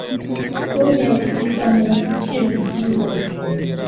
tom yaguze iyi kamera kubiciro byiza